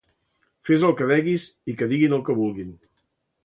Fes el que degues i que diguen el que vulguen.